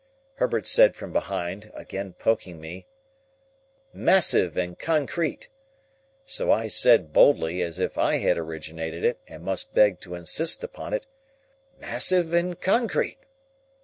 Herbert said from behind (again poking me), "Massive and concrete." So I said boldly, as if I had originated it, and must beg to insist upon it, "Massive and concrete."